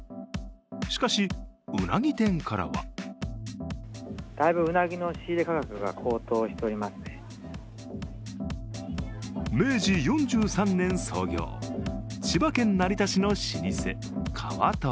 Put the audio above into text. しかし、うなぎ店からは明治４３年創業千葉県成田市の老舗、川豊。